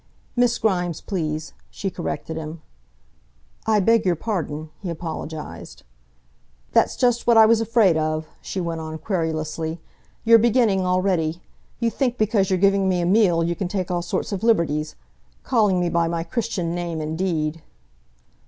"Miss Grimes, please," she corrected him. "I beg your pardon," he apologised. "That's just what I was afraid of," she went on querulously. "You're beginning already. You think because you're giving me a meal, you can take all sorts of liberties. Calling me by my Christian name, indeed!"